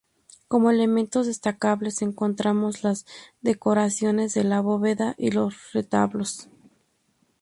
Como elementos destacables encontramos las decoraciones de la bóveda y los retablos.